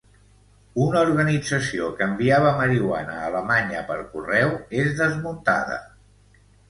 Una organització que enviava marihuana a Alemanya per correu és desmuntada.